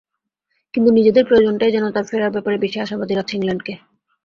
কিন্তু নিজেদের প্রয়োজনটাই যেন তাঁর ফেরার ব্যাপারে বেশি আশাবাদী রাখছে ইংল্যান্ডকে।